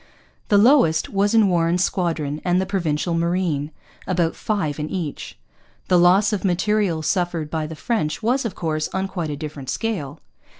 The lowest was in Warren's squadron and the Provincial Marine about five in each. The loss of material suffered by the French was, of course, on quite a different scale.